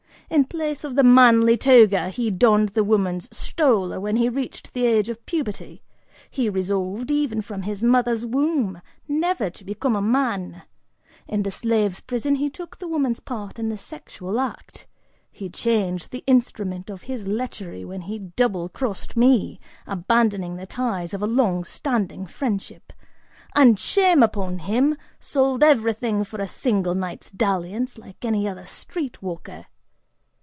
In place of the manly toga, he donned the woman's stola when he reached the age of puberty: he resolved, even from his mother's womb, never to become a man; in the slave's prison he took the woman's part in the sexual act, he changed the instrument of his lechery when he double crossed me, abandoned the ties of a long standing friendship, and, shame upon him, sold everything for a single night's dalliance, like any other street walker!